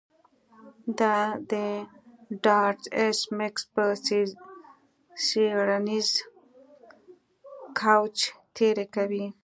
ته د ډارت ایس میکس په څیړنیز کوچ تیری کوې